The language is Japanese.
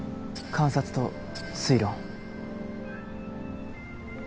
観察と推論。